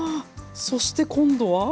そして今度は。